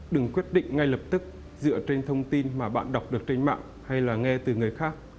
đừng quyết định ngay lập tức dựa trên thông tin mà bạn đọc được trên mạng hay là nghe từ người khác